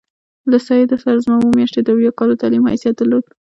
له سید سره زما اووه میاشتې د اویا کالو تعلیم حیثیت درلود.